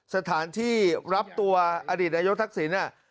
สถานที่รับตัวอดีตนายกทักศิลป์นี่